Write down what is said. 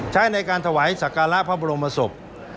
ใช้ในการถวายสักการะพระบรมศพ